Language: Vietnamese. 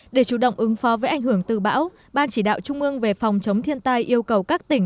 để chủ động ứng phó với ảnh hưởng từ bão ban chỉ đạo trung ương về phòng chống thiên tai yêu cầu các tỉnh